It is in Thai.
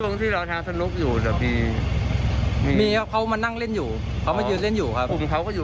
มันก็ถี่ลงมาดักหน้าพวกผมเลย